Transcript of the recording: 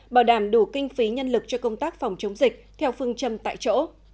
bảo đảm đủ kinh phí nhân lực cho công tác phòng chống dịch theo phương châm tại chỗ